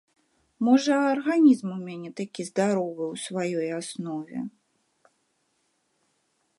Можа, арганізм у мяне такі здаровы ў сваёй аснове.